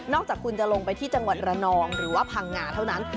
จากคุณจะลงไปที่จังหวัดระนองหรือว่าพังงาเท่านั้น